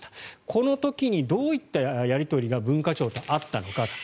この時にどういったやり取りが文化庁とあったのかと。